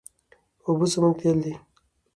اوبه زموږ تېل دي.